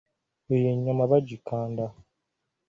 Eyo ennyama bagikanda.